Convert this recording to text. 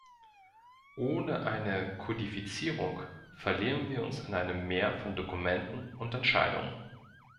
Ohne eine Kodifizierung verlieren wir uns in einem Meer von Dokumenten und Entscheidungen.